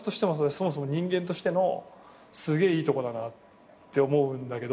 そもそも人間としてのすげえいいとこだなって思うんだけど。